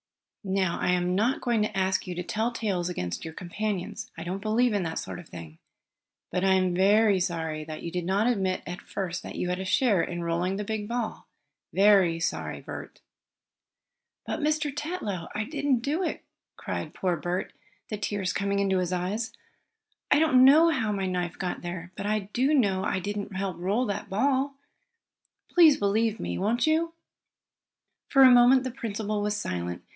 "Now I am not going to ask you to tell tales against your companions. I don't believe in that sort of thing. But I am very sorry that you did not admit at first that you had a share in rolling the big ball. Very sorry, Bert." "But, Mr. Tetlow, I didn't do it!" cried poor Bert, the tears coming into his eyes. "I don't know how my knife got there, but I do know I didn't help roll that ball. Please believe me; won't you?" For a moment the principal was silent.